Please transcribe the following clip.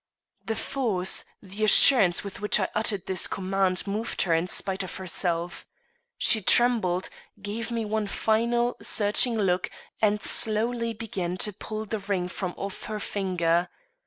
The force, the assurance with which I uttered this command moved her in spite of herself. She trembled, gave me one final, searching look, and slowly began to pull the ring from off her finger.